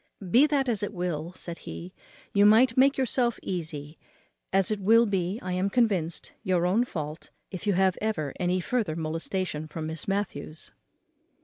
Be that as it will," said he, "you may make yourself easy, as it will be, I am convinced, your own fault, if you have ever any further molestation from Miss Matthews."